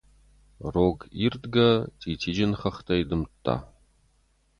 Рог ирдгӕ цъитиджын хӕхтӕй дымдта.